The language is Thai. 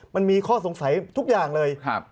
มันมีข้อสงสัยทุกอย่างเลย